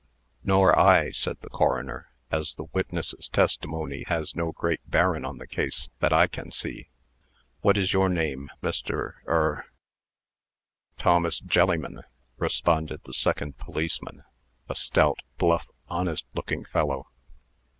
"Nor I," said the coroner, "as the witness's testimony has no great bearin' on the case, that I can see. What is jour name, Mister er " "Thomas Jelliman," responded the second policeman, a stout, bluff, honest looking fellow.